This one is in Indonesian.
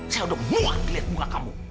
saya udah muak ngeliat muka kamu